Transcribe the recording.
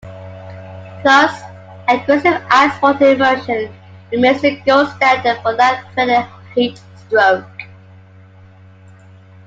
Thus, aggressive ice-water immersion remains the gold standard for life-threatening heat stroke.